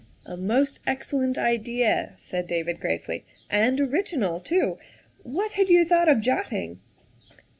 "A most excellent idea," said David gravely, " and original too. What had you thought of jotting?"